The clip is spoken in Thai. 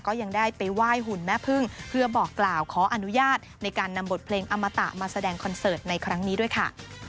ยังได้ไปไหว้หุ่นแม่พึ่งเพื่อบอกกล่าวขออนุญาตในการนำบทเพลงอมตะมาแสดงคอนเสิร์ตในครั้งนี้ด้วยค่ะ